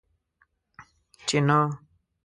چې نه!